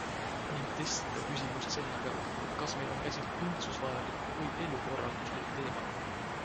Ning testida küsimust sellega, et kas meil on käsil õndsusvajalik või elukorralduslik teema.